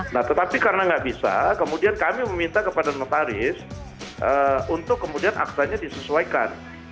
nah tetapi karena nggak bisa kemudian kami meminta kepada notaris untuk kemudian aktanya disesuaikan